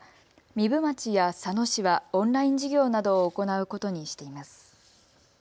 壬生町や佐野市はオンライン授業などを行うことにしています。